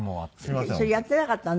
やってなかったの？